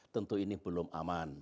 tentu ini belum aman